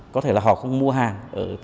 có thể là họ không mua hàng